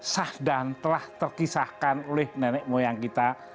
sah dan telah terkisahkan oleh nenek moyang kita